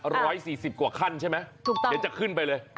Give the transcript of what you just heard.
ร้อยสี่สิบกว่าคันใช่ไหมเดี๋ยวจะขึ้นไปเลยถูกต้อง